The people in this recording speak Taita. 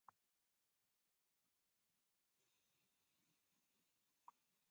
Mkadamba muakaia matuku mrongo iw'i na ikenda.